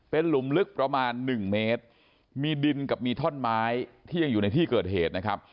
เป็นหลุมลึกประมาณหนึ่งเมตรมีดินกับมีท่อนไม้ที่ยังอยู่ในที่เกิดเหตุนะครับ